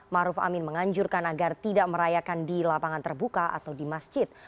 maruf amin menganjurkan agar tidak merayakan di lapangan terbuka atau di masjid